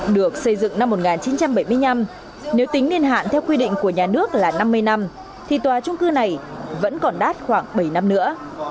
được xây dựng năm một nghìn chín trăm bảy mươi năm nếu tính niên hạn theo quy định của nhà nước là năm mươi năm thì tòa trung cư này vẫn còn đát khoảng bảy năm nữa